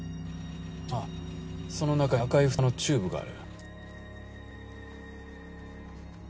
あぁその中に赤いフタのチューブがある。